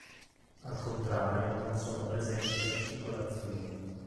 Al contrario non sono presenti fascicolazioni.